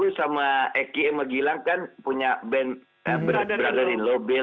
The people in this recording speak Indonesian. aku sama eky yang menggilang kan punya band brother in lobel